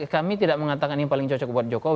kami tidak mengatakan ini paling cocok buat jokowi